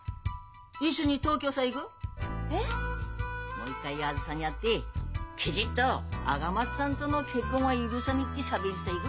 もう一回あづさに会ってきぢっと赤松さんとの結婚は許さねえってしゃべりさ行ぐ！